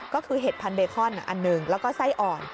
ก็คือเห็ดพันธเบคอนอันหนึ่งแล้วก็ไส้อ่อน